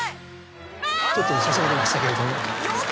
ちょっと写真が出ましたけれども。